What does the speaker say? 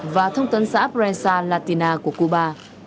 và thông tấn xã prensa latina của cuba